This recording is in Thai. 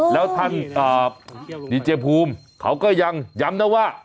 แล้วท่านดีเจภูมิเขาก็ยังย้ำนะว่า